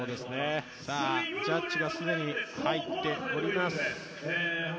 ジャッジが既に入っております。